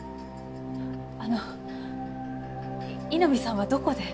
あの井波さんはどこで？